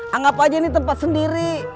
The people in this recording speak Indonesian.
anggap aja ini tempat sendiri